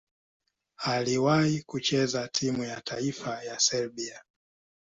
Aliwahi kucheza timu ya taifa ya Serbia.